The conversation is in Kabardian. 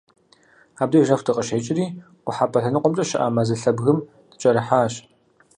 Абдеж нэху дыкъыщекIри, къухьэпIэ лъэныкъуэмкIэ щыIэ мэзылъэ бгым дыкIэрыхьащ.